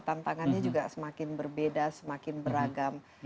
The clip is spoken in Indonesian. tantangannya juga semakin berbeda semakin beragam